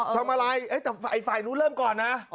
ทำอะไรแต่ฝ่ายนู้นเริ่มก่อนนะ